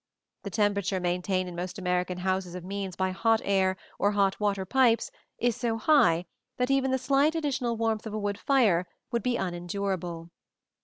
The temperature maintained in most American houses by means of hot air or hot water pipes is so high that even the slight additional warmth of a wood fire would be unendurable.